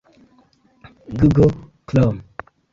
He remains a director of the club.